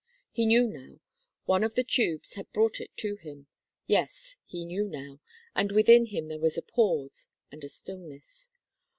He knew now; one of the tubes had brought it to him. Yes, he knew now, and within him there was a pause, and a stillness.